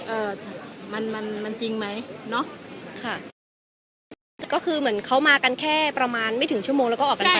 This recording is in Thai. เอ่อมันมันจริงไหมเนอะค่ะก็คือเหมือนเขามากันแค่ประมาณไม่ถึงชั่วโมงแล้วก็ออกกันไป